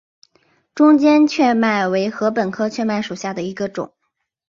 中间雀麦为禾本科雀麦属下的一个种。